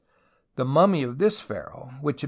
The mummy of this pharaoh, wJiich had